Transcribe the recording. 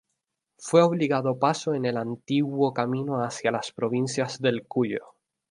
Fue de obligado paso en el antiguo camino hacia las provincias del Cuyo.